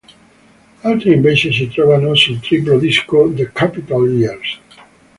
Altre invece si trovano sul triplo disco "The Capitol Years".